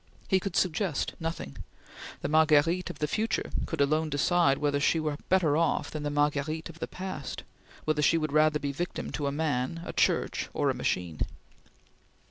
He could suggest nothing. The Marguerite of the future could alone decide whether she were better off than the Marguerite of the past; whether she would rather be victim to a man, a church, or a machine.